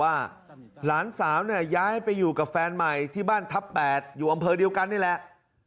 หลานสาวเนี่ยย้ายไปอยู่กับแฟนใหม่ที่บ้านทัพ๘อยู่อำเภอเดียวกันนี่แหละ